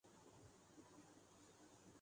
یہ منشور سیاسی جماعتوں کی بالغ نظری کی دلیل تھے۔